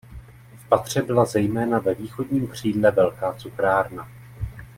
V patře byla zejména ve východním křídle velká cukrárna.